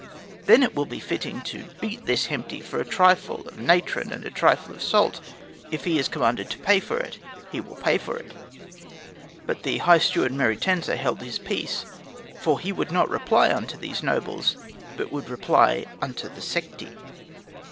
Then it will be fitting to beat this Hemti for a trifle of natron and a trifle of salt; if he is commanded to pay for it, he will pay for it." But the High Steward Meruitensa held his peace; for he would not reply unto these nobles, but would reply unto the Sekhti.